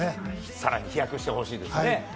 さらに飛躍してほしいですね。